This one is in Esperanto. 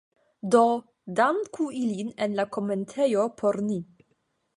Do, danku ilin en la komentejo por ni